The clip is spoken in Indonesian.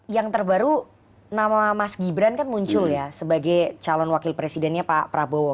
yang terbaru nama mas gibran kan muncul ya sebagai calon wakil presidennya pak prabowo